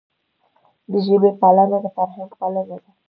د ژبي پالنه د فرهنګ پالنه ده.